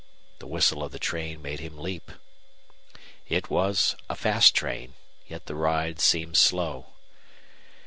The whistle of the train made him leap. It was a fast train, yet the ride seemed slow.